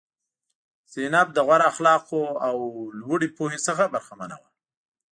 زینب له غوره اخلاقو او لوړې پوهې څخه برخمنه وه.